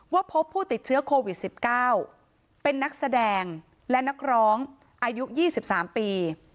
ว่าพบผู้ติดเชื้อโควิดสิบเก้าเป็นนักแสดงและนักร้องอายุยี่สิบสามปี